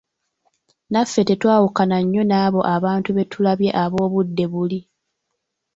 Naffe tetwawukana nnyo n‘abo abantu be tulabye ab‘obudde buli.